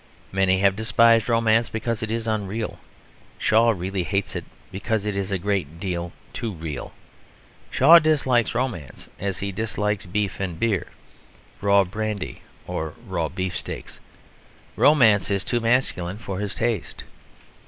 Many have despised romance because it is unreal; Shaw really hates it because it is a great deal too real. Shaw dislikes romance as he dislikes beef and beer, raw brandy or raw beefsteaks. Romance is too masculine for his taste.